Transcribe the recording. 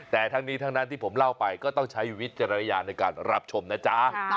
แต่ทั้งนี้ทั้งนั้นที่ผมเล่าไปก็ต้องใช้วิจารณญาณในการรับชมนะจ๊ะ